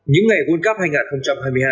những ngày world cup hai nghìn hai mươi hai